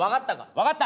分かった。